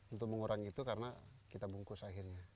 untuk mengurangi itu karena kita bungkus akhirnya